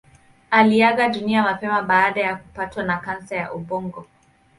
Aliaga dunia mapema baada ya kupatwa na kansa ya ubongo.